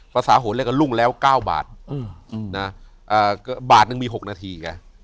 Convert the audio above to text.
ภาษาโหลกลุ้งแล้ว๙บาทบาทนึงมี๖นาที